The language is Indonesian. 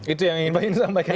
itu yang ingin pak indra sampaikan